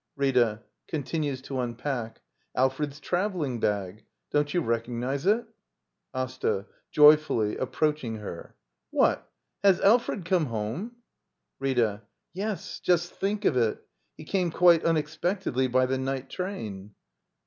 Rita. [Q>ntinues to unpack.] Alfred's travel ling bag. Don't you recognize it? d by Google ActL « LITTLE EYOLF AsTA. [Joyfully, approaching her.] What! Has Alfred come home? Rtta. Yes, just think of it! — he came quite unexpectedly by the night train.